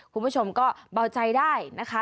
คุณผู้ชมก็เบาใจได้นะคะ